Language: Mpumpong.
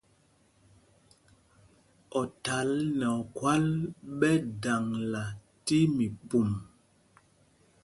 Othǎl nɛ okhwâl ɓɛ daŋla tí mípûm.